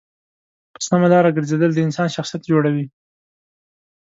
په سمه لاره گرځېدل د انسان شخصیت جوړوي.